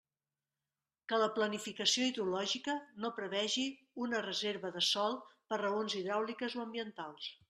Que la planificació hidrològica no prevegi una reserva de sòl per raons hidràuliques o ambientals.